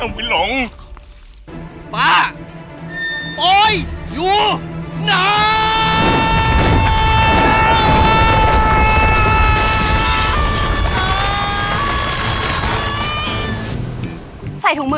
ใส่ถุงมือแล้วเหรอใช่ครับนี่ไงถุงมือ